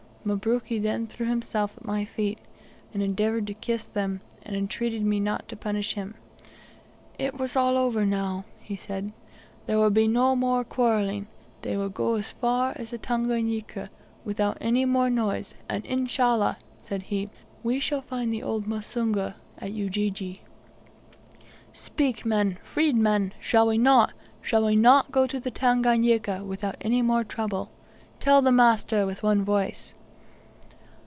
Mabruki then threw himself at my feet, and endeavoured to kiss them and entreated me not to punish him. "It was all over now," he said; "there would be no more quarreling, they would all go as far as the Tanganika, without any more noise; and Inshallah!" said he, "we shall find the old Musungu * at Ujiji." *Livingstone "Speak, men, freedmen, shall we not? shall we not go to the Tanganika without any more trouble? tell the master with one voice."